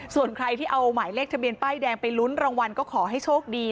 ส่วนใครที่เอาหมายเลขทะเบียนป้ายแดงไปลุ้นรางวัลก็ขอให้โชคดี